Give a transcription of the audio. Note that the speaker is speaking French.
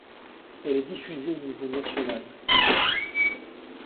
Elle est diffusée au niveau national.